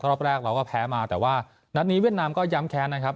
รอบแรกเราก็แพ้มาแต่ว่านัดนี้เวียดนามก็ย้ำแค้นนะครับ